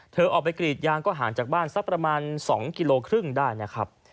ออกไปกรีดยางก็ห่างจากบ้านสักประมาณ๒กิโลครึ่งได้นะครับ